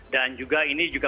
dan juga ini juga